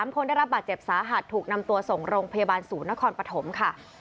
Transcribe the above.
คนได้รับบาดเจ็บสาหัสถูกนำตัวส่งโรงพยาบาลศูนย์นครปฐมค่ะ